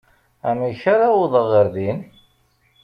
Amek ara awḍeɣ ɣer din?